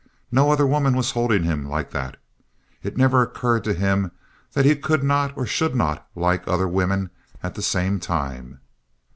No other woman was holding him like that. It never occurred to him that he could not or should not like other women at the same time.